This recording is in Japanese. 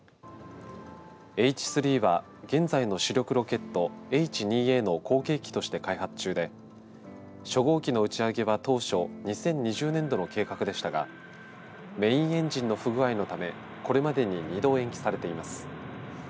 Ｈ３は現在の主力ロケットＨ２Ａの後継機として開発中で初号機の打ち上げは当初２０２０年度の計画でしたがメインエンジンの不具合のためこれまでに２度、延期されています。